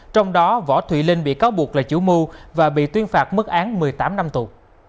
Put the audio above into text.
trong đó võ thùy linh bị cáo buộc là chủ mưu và bị tuyên phạt mức án một mươi tám năm tù